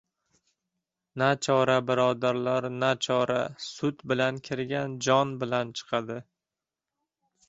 Nachora, birodarlar, nachora, sut bilan kirgan, jon bilan chiqadi!..